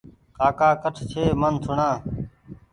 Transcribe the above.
ڪاڪا ڪٺ ڇي ميٚن سوڻا